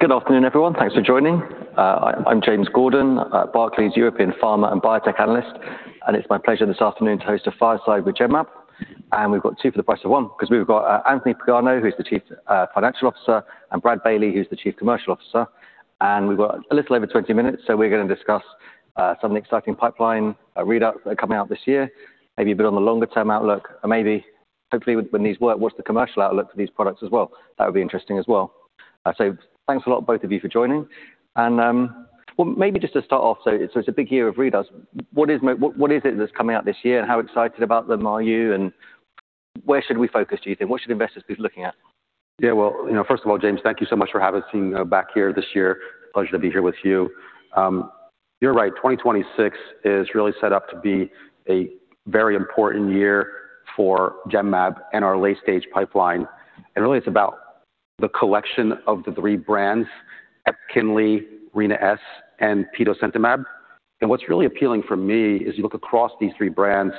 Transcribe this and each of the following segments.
Good afternoon, everyone. Thanks for joining. I'm James Gordon, Barclays European Pharma and Biotech Analyst, and it's my pleasure this afternoon to host a fireside with Genmab. We've got two for the price of one because we've got Anthony Pagano, who's the Chief Financial Officer, and Brad Bailey, who's the Chief Commercial Officer. We've got a little over 20 minutes, so we're going to discuss some of the exciting pipeline readouts that are coming out this year, maybe a bit on the longer-term outlook or maybe hopefully when these work, what's the commercial outlook for these products as well. That would be interesting as well. Thanks a lot, both of you, for joining. Well, maybe just to start off, so it's a big year of readouts. What is it that's coming out this year, and how excited about them are you, and where should we focus, do you think? What should investors be looking at? Yeah, well, you know, first of all, James, thank you so much for having us, you know, back here this year. Pleasure to be here with you. You're right, 2026 is really set up to be a very important year for Genmab and our late-stage pipeline. Really it's about the collection of the three brands, EPKINLY, Rina-S, and petosemtamab. What's really appealing for me is you look across these three brands,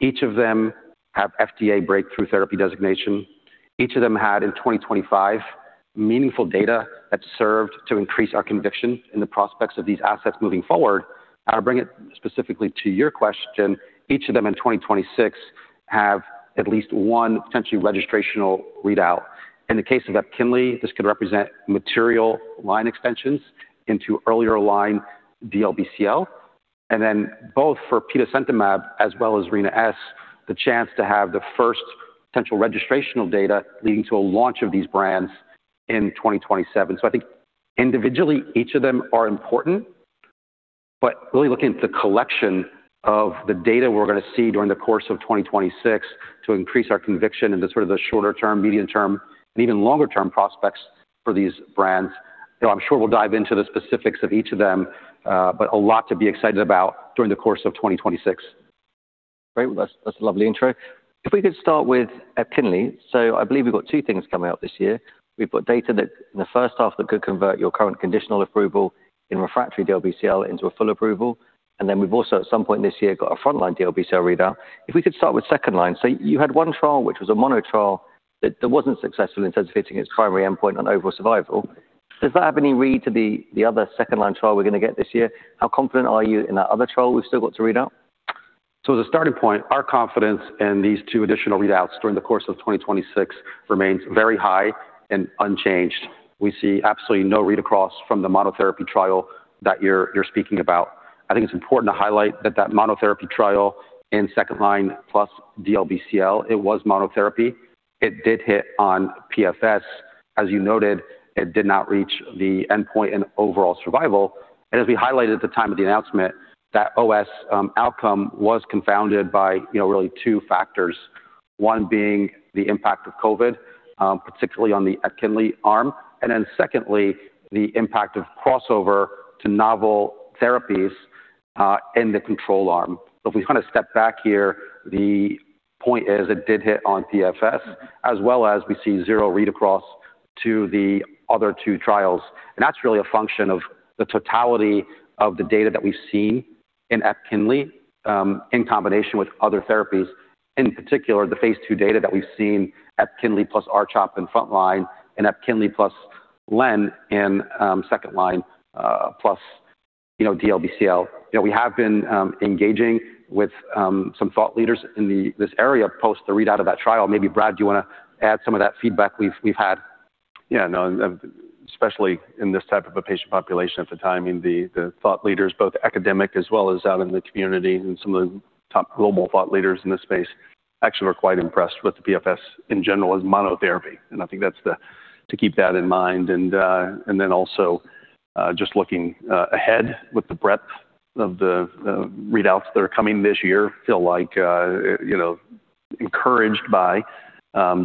each of them have FDA Breakthrough Therapy Designation. Each of them had, in 2025, meaningful data that served to increase our conviction in the prospects of these assets moving forward. To bring it specifically to your question, each of them in 2026 have at least one potentially registrational readout. In the case of EPKINLY, this could represent material line extensions into earlier line DLBCL. Both for petosemtamab as well as Rina-S, the chance to have the first potential registrational data leading to a launch of these brands in 2027. I think individually, each of them are important, but really looking at the collection of the data we're going to see during the course of 2026 to increase our conviction in the sort of the shorter-term, medium-term, and even longer-term prospects for these brands. You know, I'm sure we'll dive into the specifics of each of them, but a lot to be excited about during the course of 2026. Great. Well, that's a lovely intro. If we could start with EPKINLY. I believe we've got two things coming up this year. We've got data that in the first half that could convert your current conditional approval in refractory DLBCL into a full approval. Then we've also at some point this year got a frontline DLBCL readout. If we could start with second line. You had one trial, which was a mono trial that wasn't successful in terms of hitting its primary endpoint on overall survival. Does that have any read-through to the other second line trial we're going to get this year? How confident are you in that other trial we've still got to read out? As a starting point, our confidence in these two additional readouts during the course of 2026 remains very high and unchanged. We see absolutely no read across from the monotherapy trial that you're speaking about. I think it's important to highlight that monotherapy trial in second-line plus DLBCL, it was monotherapy. It did hit on PFS. As you noted, it did not reach the endpoint in overall survival. As we highlighted at the time of the announcement, that OS outcome was confounded by, you know, really two factors. One being the impact of COVID, particularly on the EPKINLY arm, and then secondly, the impact of crossover to novel therapies in the control arm. If we kind of step back here, the point is it did hit on PFS as well as we see zero read across to the other two trials. That's really a function of the totality of the data that we've seen in EPKINLY, in combination with other therapies, in particular, the phase II data that we've seen EPKINLY plus R-CHOP in frontline and EPKINLY plus lenalidomide in second line, plus, you know, DLBCL. You know, we have been engaging with some thought leaders in this area post the readout of that trial. Maybe Brad, do you want to add some of that feedback we've had? Yeah, no, especially in this type of a patient population at the time, I mean, the thought leaders, both academic as well as out in the community and some of the top global thought leaders in this space actually were quite impressed with the PFS in general as monotherapy. To keep that in mind and then also just looking ahead with the breadth of the readouts that are coming this year, feel like you know encouraged by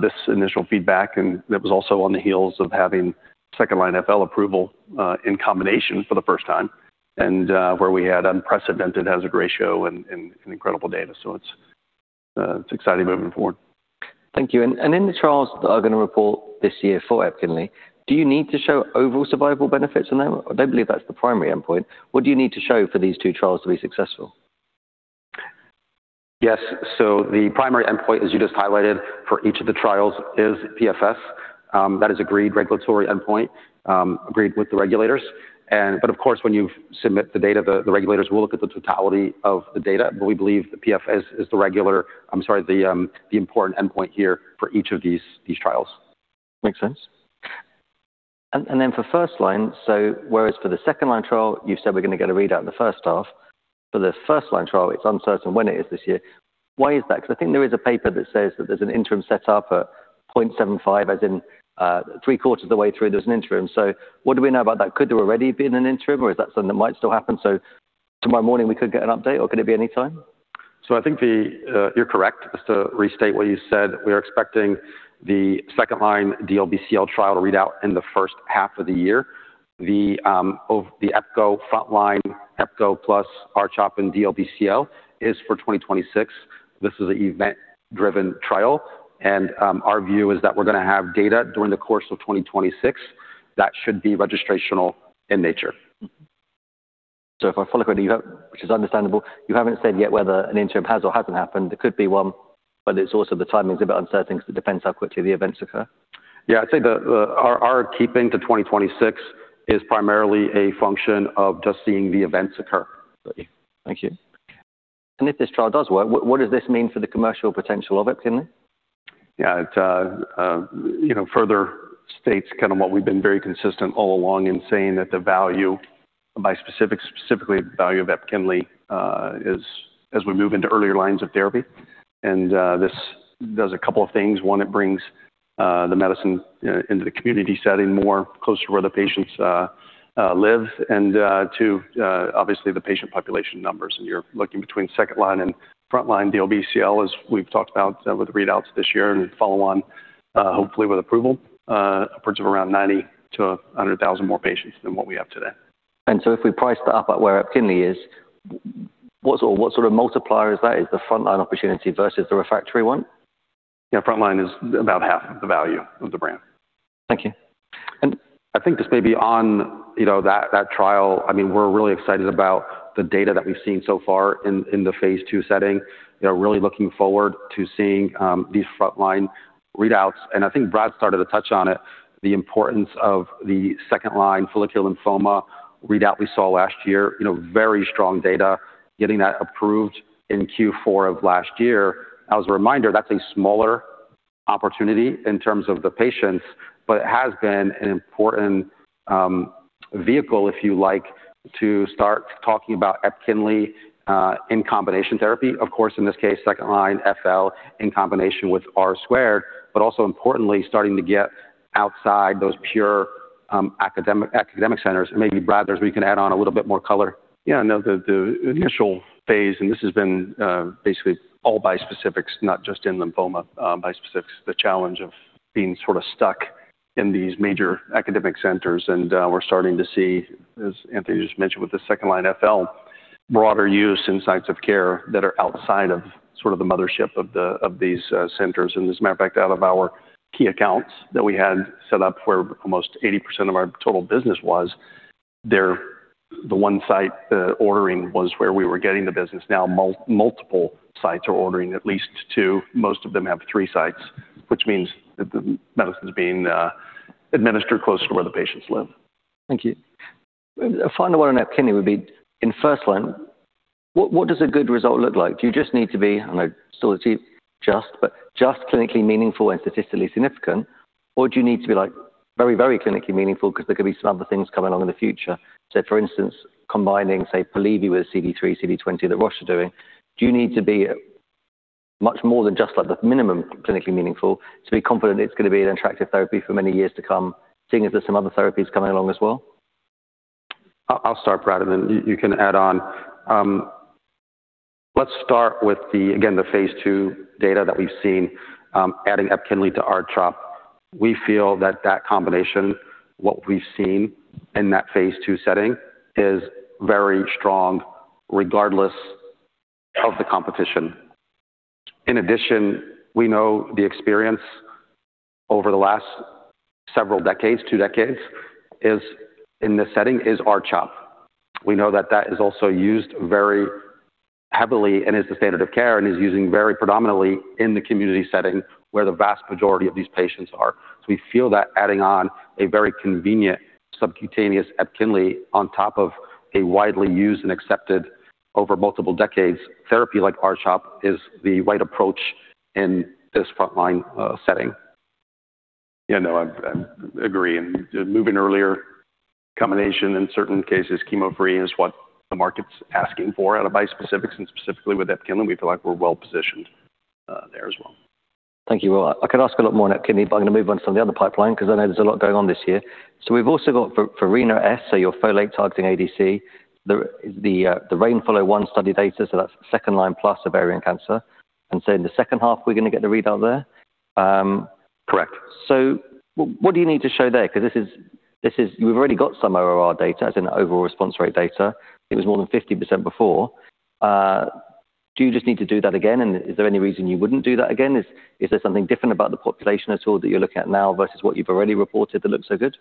this initial feedback and that was also on the heels of having second-line FL approval in combination for the first time and where we had unprecedented hazard ratio and incredible data. It's exciting moving forward. Thank you. In the trials that are going to report this year for EPKINLY, do you need to show overall survival benefits in them? I don't believe that's the primary endpoint. What do you need to show for these two trials to be successful? Yes. The primary endpoint, as you just highlighted, for each of the trials is PFS. That is agreed regulatory endpoint, agreed with the regulators. Of course, when you submit the data, the regulators will look at the totality of the data, but we believe the PFS is the important endpoint here for each of these trials. Makes sense. Then for first line, whereas for the second line trial, you said we're going to get a readout in the first half. For the first line trial, it's uncertain when it is this year. Why is that? Because I think there is a paper that says that there's an interim set up at 0.75, as in, three-quarters of the way through, there's an interim. What do we know about that? Could there already been an interim, or is that something that might still happen? Tomorrow morning, we could get an update, or could it be any time? I think you're correct. Just to restate what you said, we are expecting the second-line DLBCL trial to read out in the first half of the year. EPCORE frontline, EPCORE plus R-CHOP in DLBCL is for 2026. This is an event-driven trial, and our view is that we're going to have data during the course of 2026 that should be registrational in nature. If I follow correctly, you have, which is understandable, you haven't said yet whether an interim has or hasn't happened. There could be one, but it's also the timing is a bit uncertain because it depends how quickly the events occur. Yeah. I'd say our keeping to 2026 is primarily a function of just seeing the events occur. Thank you. If this trial does work, what does this mean for the commercial potential of EPKINLY? Yeah. It, you know, further states kind of what we've been very consistent all along in saying that the value of bispecifics, specifically the value of EPKINLY, is as we move into earlier lines of therapy. This does a couple of things. One, it brings the medicine into the community setting more close to where the patients live. Two, obviously the patient population numbers, and you're looking between second line and frontline DLBCL, as we've talked about with readouts this year and follow on, hopefully with approval, upwards of around 90-100 thousand more patients than what we have today. If we price that up at where EPKINLY is, what sort of multiplier is that, is the frontline opportunity versus the refractory one? Yeah. Frontline is about half of the value of the brand. Thank you. I think this may be on that trial. I mean, we're really excited about the data that we've seen so far in the Phase II setting. You know, really looking forward to seeing these frontline readouts. I think Brad started to touch on it, the importance of the second-line follicular lymphoma readout we saw last year. You know, very strong data, getting that approved in Q4 of last year. As a reminder, that's a smaller opportunity in terms of the patients, but it has been an important vehicle, if you like, to start talking about EPKINLY in combination therapy. Of course, in this case, second-line FL in combination with R squared, but also importantly starting to get outside those pure academic centers. Maybe, Brad, we can add on a little bit more color. Yeah. No. The initial phase. This has been basically all bispecifics, not just in lymphoma, bispecifics, the challenge of being sort of stuck in these major academic centers. We're starting to see, as Anthony just mentioned with the second line FL, broader use in sites of care that are outside of sort of the mothership of these centers. As a matter of fact, out of our key accounts that we had set up where almost 80% of our total business was, there the one site ordering was where we were getting the business. Now multiple sites are ordering at least two. Most of them have three sites, which means that the medicine's being administered close to where the patients live. Thank you. A final one on EPKINLY would be in first line. What does a good result look like? Do you just need to achieve just clinically meaningful and statistically significant? Or do you need to be, like, very, very clinically meaningful because there could be some other things coming along in the future? For instance, combining, say, Polivy with CD3, CD20 that Roche are doing, do you need to be much more than just, like, the minimum clinically meaningful to be confident it's going to be an attractive therapy for many years to come, seeing as there's some other therapies coming along as well? I'll start, Brad, and then you can add on. Let's start with again, the phase II data that we've seen, adding EPKINLY to R-CHOP. We feel that combination, what we've seen in that phase II setting, is very strong regardless of the competition. In addition, we know the experience over the last several decades, two decades, in this setting is R-CHOP. We know that is also used very heavily and is the standard of care and is used very predominantly in the community setting where the vast majority of these patients are. We feel that adding on a very convenient subcutaneous EPKINLY on top of a widely used and accepted over multiple decades therapy like R-CHOP is the right approach in this frontline setting. I agree. The move in earlier combination, in certain cases chemo-free, is what the market's asking for out of bispecifics and specifically with EPKINLY, we feel like we're well-positioned there as well. Thank you. Well, I could ask a lot more on EPKINLY, but I'm going to move on to some of the other pipeline because I know there's a lot going on this year. We've also got for Rina-S, so your folate targeting ADC, the RAINFOL-01 study data, so that's second line plus ovarian cancer. In the second half, we're going to get the readout there? Correct. What do you need to show there? Because this is. You've already got some ORR data as in overall response rate data. It was more than 50% before. Do you just need to do that again? Is there any reason you wouldn't do that again? Is there something different about the population at all that you're looking at now versus what you've already reported that looks so good?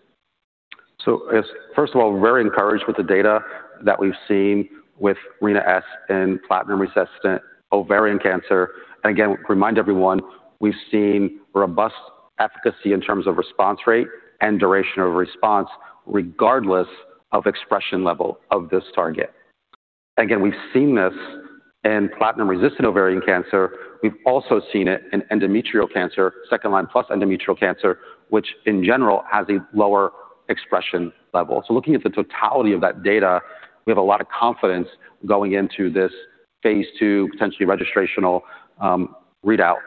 Yes. First of all, we're very encouraged with the data that we've seen with Rina-S in platinum-resistant ovarian cancer. Again, remind everyone, we've seen robust efficacy in terms of response rate and duration of response regardless of expression level of this target. Again, we've seen this in platinum-resistant ovarian cancer. We've also seen it in endometrial cancer, second-line plus endometrial cancer, which in general has a lower expression level. Looking at the totality of that data, we have a lot of confidence going into this phase II, potentially registrational, readout.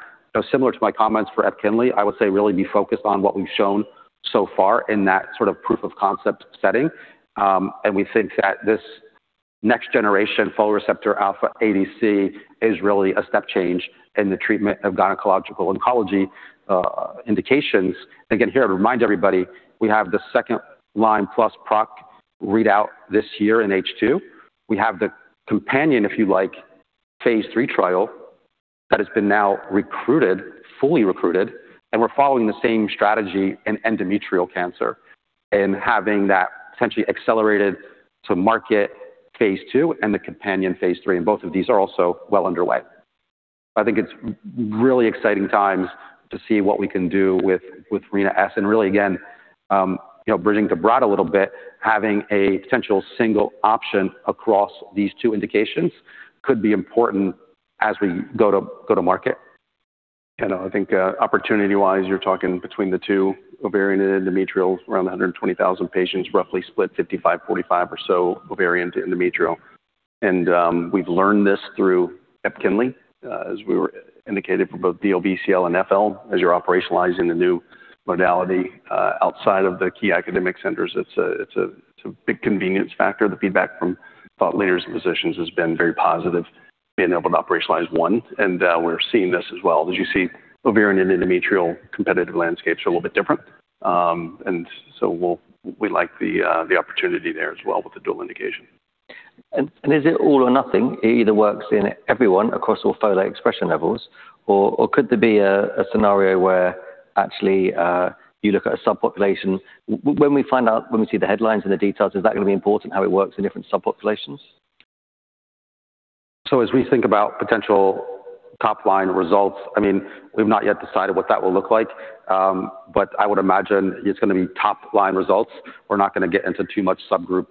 Similar to my comments for EPKINLY, I would say really be focused on what we've shown so far in that sort of proof of concept setting. And we think that this next generation folate receptor alpha ADC is really a step change in the treatment of gynecological oncology, indications. Again, here to remind everybody, we have the second-line plus PROC readout this year in H2. We have the companion, if you like, phase III trial that has been now recruited, fully recruited, and we're following the same strategy in endometrial cancer and having that essentially accelerated to market phase II and the companion phase III, and both of these are also well underway. I think it's really exciting times to see what we can do with Rina-S. Really again, you know, bridging the broad a little bit, having a potential single option across these two indications could be important as we go to market. You know, I think, opportunity-wise, you're talking between the two, ovarian and endometrial, around 120,000 patients, roughly split 55-45 or so ovarian to endometrial. We've learned this through EPKINLY as we were indicated for both DLBCL and FL. As you're operationalizing the new modality outside of the key academic centers, it's a big convenience factor. The feedback from thought leaders and physicians has been very positive being able to operationalize one, and we're seeing this as well. As you see, ovarian and endometrial competitive landscapes are a little bit different, and we like the opportunity there as well with the dual indication. Is it all or nothing? It either works in everyone across all folate expression levels or could there be a scenario where actually you look at a subpopulation. When we find out, when we see the headlines and the details, is that going to be important how it works in different subpopulations? As we think about potential top-line results, I mean, we've not yet decided what that will look like, but I would imagine it's going to be top-line results. We're not going to get into too much subgroup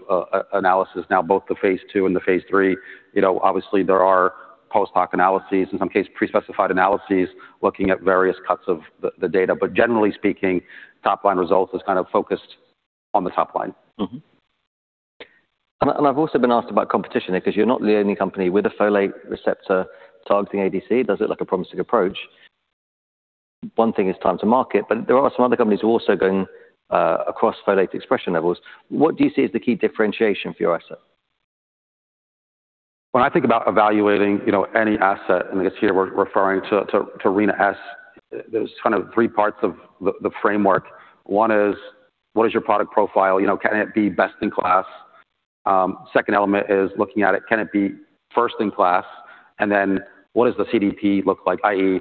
analysis. Now, both the phase II and the phase III, you know, obviously there are post-hoc analyses, in some cases pre-specified analyses, looking at various cuts of the data. But generally speaking, top-line results is kind of focused on the top line. I've also been asked about competition there because you're not the only company with a folate receptor targeting ADC. Does it look like a promising approach? One thing is time to market, but there are some other companies who are also going across folate expression levels. What do you see as the key differentiation for your asset? When I think about evaluating, you know, any asset, and I guess here we're referring to Rina-S, there's kind of three parts of the framework. One is what is your product profile? You know, can it be best in class? Second element is looking at it, can it be first in class? And then what does the CDP look like? I.e.,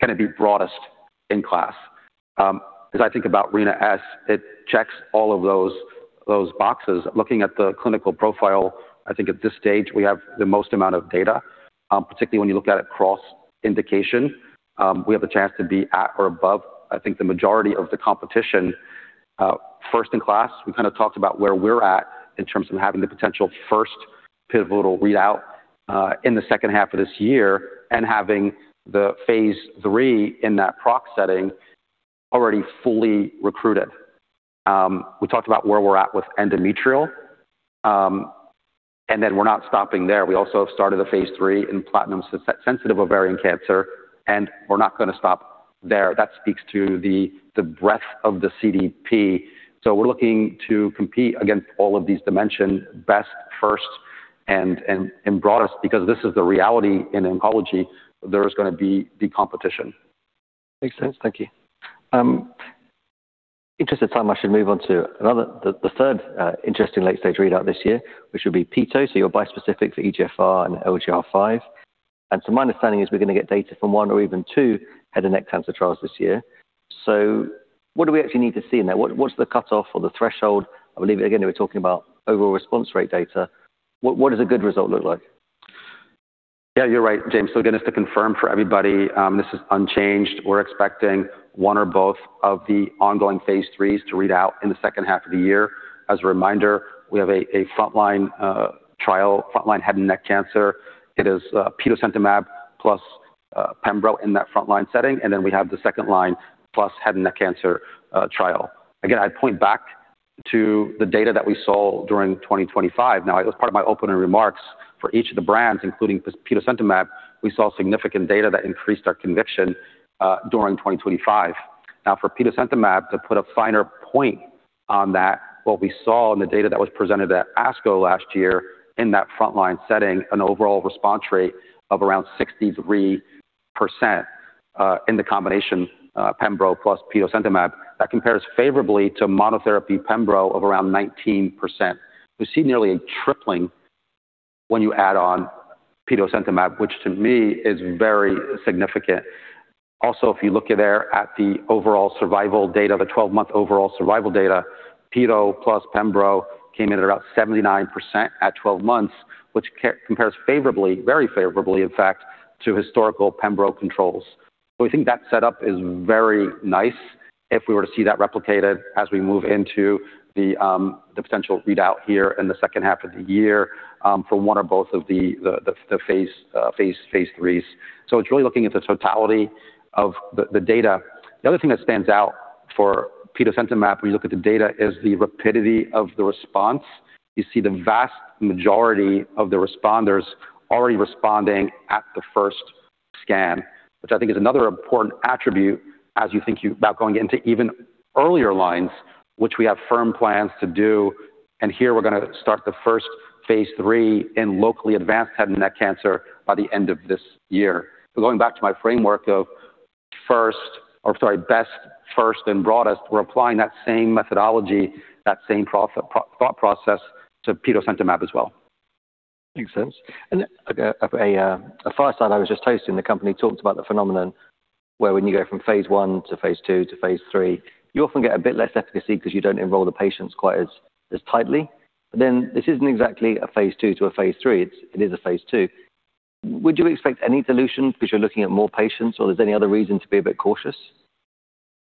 can it be broadest in class? As I think about Rina-S, it checks all of those boxes. Looking at the clinical profile, I think at this stage we have the most amount of data, particularly when you look at it cross indication. We have a chance to be at or above, I think, the majority of the competition. First-in-class, we kind of talked about where we're at in terms of having the potential first pivotal readout in the second half of this year and having the phase III in that PROC setting already fully recruited. We talked about where we're at with endometrial, and then we're not stopping there. We also have started a phase III in platinum-sensitive ovarian cancer, and we're not going to stop there. That speaks to the breadth of the CDP. We're looking to compete against all of these dimensions best, first, and broadest because this is the reality in oncology. There is going to be the competition. Makes sense. Thank you. In the interest of time, I should move on to another. The third interesting late-stage readout this year, which would be petosemtamab, so your bispecific for EGFR and LGR5. My understanding is we're going to get data from one or even two head and neck cancer trials this year. What do we actually need to see in there? What's the cutoff or the threshold? I believe, again, we're talking about overall response rate data. What does a good result look like? Yeah, you're right, James. Again, just to confirm for everybody, this is unchanged. We're expecting one or both of the ongoing phase IIIs to read out in the second half of the year. As a reminder, we have a frontline trial, frontline head and neck cancer. It is petosemtamab plus pembrolizumab in that frontline setting, and then we have the second line plus head and neck cancer trial. Again, I'd point back to the data that we saw during 2025. Now, it was part of my opening remarks for each of the brands, including petosemtamab. We saw significant data that increased our conviction during 2025. For petosemtamab, to put a finer point on that, what we saw in the data that was presented at ASCO last year in that frontline setting, an overall response rate of around 63%, in the combination, pembrolizumab plus petosemtamab. That compares favorably to monotherapy pembrolizumab of around 19%. We see nearly a tripling when you add on petosemtamab, which to me is very significant. Also, if you look at the overall survival data, the twelve-month overall survival data, petosemtamab plus pembrolizumab came in at about 79% at twelve months, which compares favorably, very favorably, in fact, to historical pembrolizumab controls. We think that setup is very nice if we were to see that replicated as we move into the potential readout here in the second half of the year for one or both of the phase IIIs. It's really looking at the totality of the data. The other thing that stands out for petosemtamab, we look at the data, is the rapidity of the response. You see the vast majority of the responders already responding at the first scan, which I think is another important attribute as you think about going into even earlier lines, which we have firm plans to do. Here we're going to start the first phase III in locally advanced head and neck cancer by the end of this year. Going back to my framework of best, first and broadest. We're applying that same methodology, that same thought process to petosemtamab as well. Makes sense. A fireside I was just hosting, the company talked about the phenomenon where when you go from phase I to phase II to phase III, you often get a bit less efficacy because you don't enroll the patients quite as tightly. This isn't exactly a phase II to a phase three. It is a phase II. Would you expect any dilution because you're looking at more patients, or there's any other reason to be a bit cautious?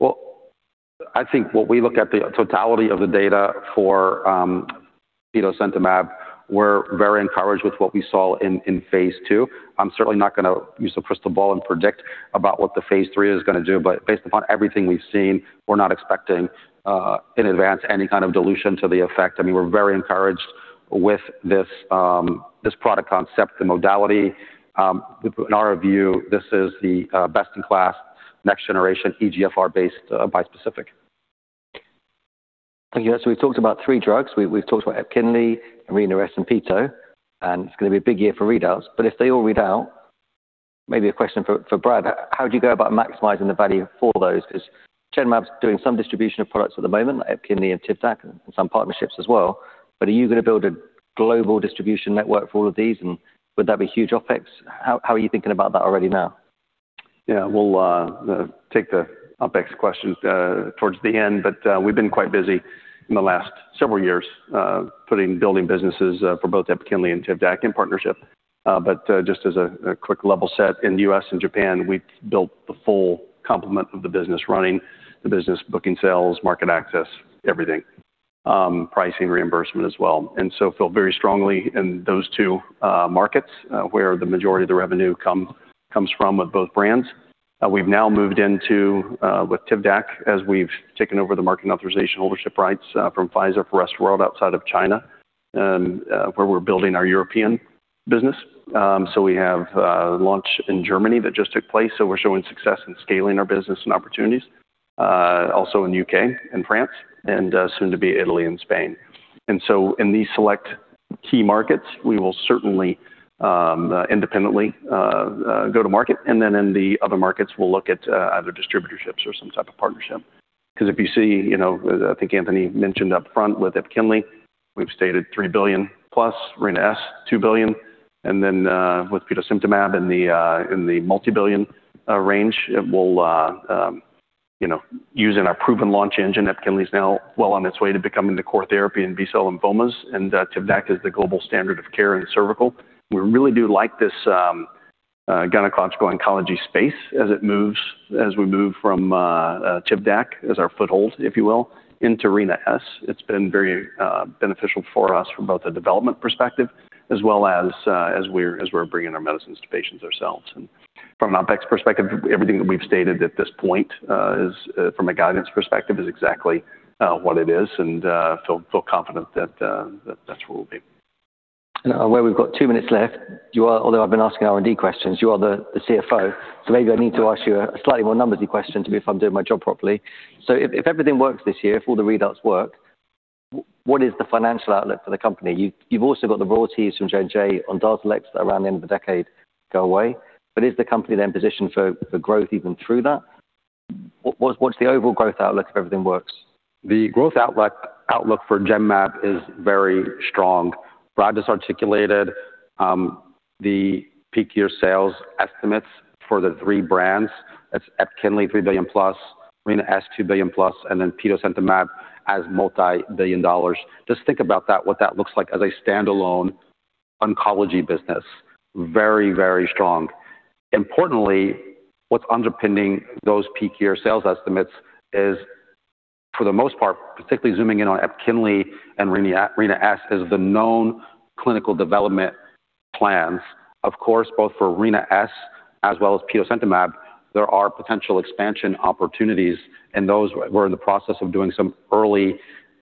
Well, I think when we look at the totality of the data for petosemtamab, we're very encouraged with what we saw in phase II. I'm certainly not going to use a crystal ball and predict about what the phase III is going to do, but based upon everything we've seen, we're not expecting in advance any kind of dilution to the effect. I mean, we're very encouraged with this product concept, the modality. In our view, this is the best in class, next generation EGFR-based bispecific. Thank you. We've talked about three drugs. We've talked about EPKINLY, Rina-S and petosemtamab, and it's going to be a big year for readouts. If they all read out, maybe a question for Brad. How do you go about maximizing the value for those? Because Genmab's doing some distribution of products at the moment, like EPKINLY and TIVDAK and some partnerships as well. Are you going to build a global distribution network for all of these, and would that be huge OpEx? How are you thinking about that already now? We'll take the OpEx question towards the end, but we've been quite busy in the last several years, building businesses for both EPKINLY and TIVDAK in partnership. Just as a quick level set in U.S. and Japan, we've built the full complement of the business, running the business, booking sales, market access, everything. Pricing reimbursement as well. Feel very strongly in those two markets where the majority of the revenue comes from with both brands. We've now moved into with TIVDAK as we've taken over the market authorization ownership rights from Pfizer for U.S., world outside of China, where we're building our European business. We have a launch in Germany that just took place, so we're showing success in scaling our business and opportunities. Also in UK and France and soon to be Italy and Spain. In these select key markets, we will certainly independently go to market. In the other markets, we'll look at either distributorships or some type of partnership. Because if you see, you know, as I think Anthony mentioned up front with EPKINLY, we've stated $3 billion+ Rina-S $2 billion, and then with petosemtamab in the multi-billion range, it will you know, using our proven launch engine, EPKINLY's now well on its way to becoming the core therapy in B-cell lymphomas. TIVDAK is the global standard of care in cervical. We really do like this gynecological oncology space as it moves, as we move from TIVDAK as our foothold, if you will, into Rina-S. It's been very beneficial for us from both a development perspective as well as we're bringing our medicines to patients ourselves. From an OpEx perspective, everything that we've stated at this point is from a guidance perspective, is exactly what it is, and feel confident that that's where we'll be. I'm aware we've got two minutes left. Although I've been asking R&D questions, you are the CFO. So maybe I need to ask you a slightly more numbersy question to me if I'm doing my job properly. So if everything works this year, if all the readouts work, what is the financial outlook for the company? You've also got the royalties from J&J on DARZALEX around the end of the decade go away. But is the company then positioned for growth even through that? What is the overall growth outlook if everything works? The growth outlook for Genmab is very strong. Brad has articulated the peak year sales estimates for the three brands. That's EPKINLY, $3 billion+, Rina-S, $2 billion+, and then petosemtamab as multi-billion dollars. Just think about that, what that looks like as a standalone oncology business. Very, very strong. Importantly, what's underpinning those peak year sales estimates is for the most part, particularly zooming in on EPKINLY and Rina-S, is the known clinical development plans. Of course, both for Rina-S as well as petosemtamab, there are potential expansion opportunities, and those we're in the process of doing some early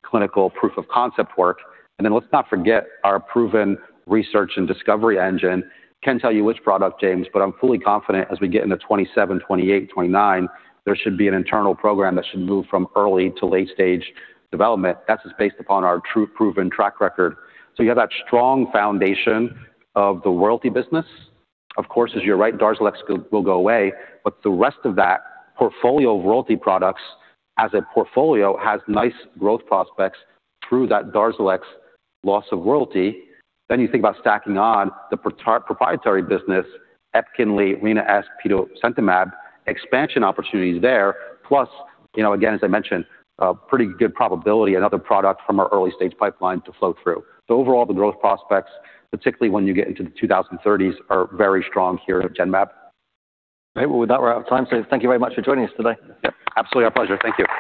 clinical proof of concept work. Then let's not forget our proven research and discovery engine. Can't tell you which product, James, but I'm fully confident as we get into 2027, 2028, 2029, there should be an internal program that should move from early to late-stage development. That's just based upon our truly proven track record. You have that strong foundation of the royalty business. Of course, as you're right, DARZALEX royalties will go away, but the rest of that portfolio of royalty products as a portfolio has nice growth prospects through that DARZALEX loss of royalty. You think about stacking on the proprietary business, EPKINLY, Rina-S, petosemtamab, expansion opportunities there. Plus, you know, again, as I mentioned, a pretty good probability another product from our early stage pipeline to flow through. Overall, the growth prospects, particularly when you get into the 2030s, are very strong here at Genmab. Right. Well, with that, we're out of time. Thank you very much for joining us today. Yeah. Absolutely. Our pleasure. Thank you.